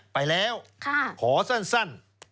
ไปแล้วขอสั้น